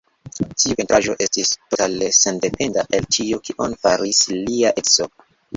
Tiu pentraĵo estis totale sendependa el tio kion faris lia edzo.